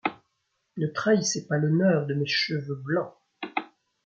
Ne trahissez pas l’honneur de mes cheveulx blancs !...